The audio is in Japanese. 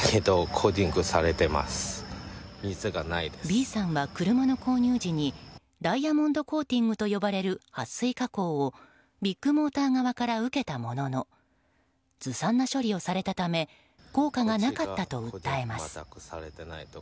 Ｂさんは車の購入時にダイヤモンドコーティングと呼ばれる撥水加工をビッグモーター側から受けたもののずさんな処理をされたため効果がなかったと訴えます。